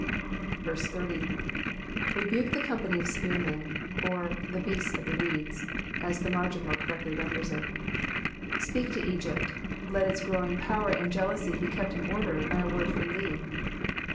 80. i2e6Mfo tJie company of spearmen ;^^ or, the hearts of the reeds,^^ as the margin more correctly renders it. Speak to Egypt, let its growing power and jealousy be kept in order, by a word from thee.